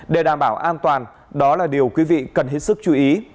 để đảm bảo an toàn đó là điều quý vị cần hết sức chú ý